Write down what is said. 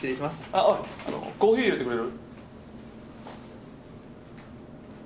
あコーヒーいれてくれる？